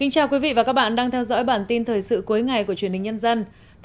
chào mừng quý vị đến với bản tin thời sự cuối ngày của truyền hình nhân dân